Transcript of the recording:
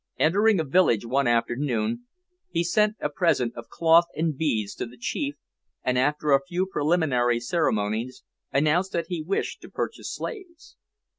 Entering a village one afternoon he sent a present of cloth and beads to the chief, and, after a few preliminary ceremonies, announced that he wished to purchase slaves.